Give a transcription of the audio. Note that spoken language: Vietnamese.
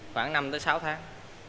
khoảng năm sáu tháng